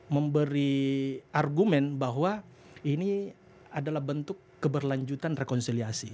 memberi argumen bahwa ini adalah bentuk keberlanjutan rekonsiliasi